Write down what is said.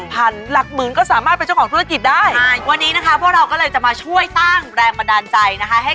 แต่คุณแม่ก็ช่วยขาย